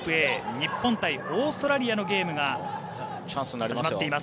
日本対オーストラリアのゲームが始まっています。